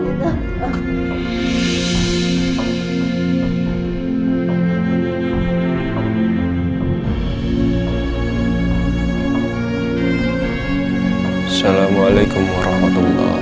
assalamualaikum warahmatullah wabarakatuh